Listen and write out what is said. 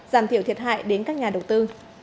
giảm thiểu thiệt hại đến các nhà đầu tư